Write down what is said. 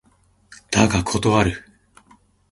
だが断る。